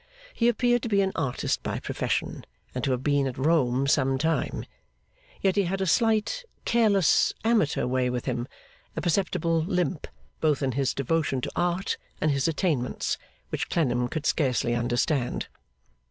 He appeared to be an artist by profession, and to have been at Rome some time; yet he had a slight, careless, amateur way with him a perceptible limp, both in his devotion to art and his attainments which Clennam could scarcely understand.